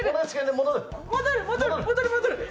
戻る。